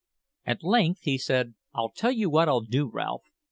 At length he said: "I'll tell you what I'll do, Ralph.